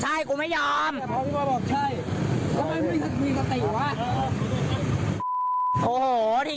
ชายไหน